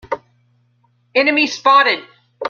Enemy spotted!